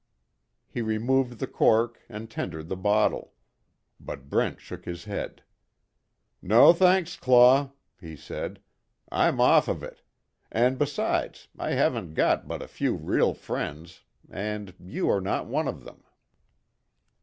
He removed the cork and tendered the bottle. But Brent shook his head: "No thanks, Claw," he said, "I'm off of it. And besides, I haven't got but a few real friends and you are not one of them."